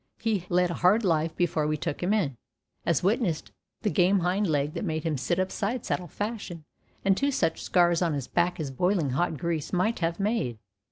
He led a hard life before we took him in, as witnessed the game hind leg that made him sit up side saddle fashion, and two such scars on his back as boiling hot grease might have made.